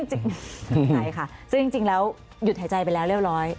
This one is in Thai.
หายค่ะซึ่งจริงแล้วหยุดหายใจไปแล้วเร็ว